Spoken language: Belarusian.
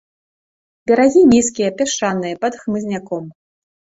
Берагі нізкія, пясчаныя, пад хмызняком.